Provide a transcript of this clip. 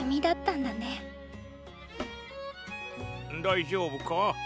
大丈夫か？